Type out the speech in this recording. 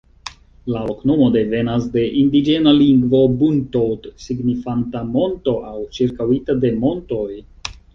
La loknomo devenas de indiĝena lingvo "buntod" signifanta "monto" aŭ "ĉirkaŭita de montoj".